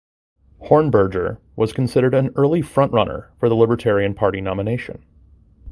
Hornberger was considered an early front runner for the Libertarian Party nomination.